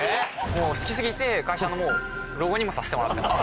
もう好き過ぎて会社のロゴにもさせてもらってます。